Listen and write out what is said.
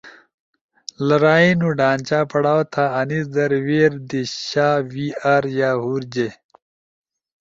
لرائی نو ڈھانچہ پڑاؤ تھا آنیز در we, re دی شا we are یا ہُور جے۔